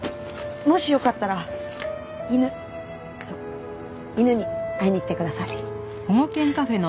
もしよかったら犬そう犬に会いに来てください。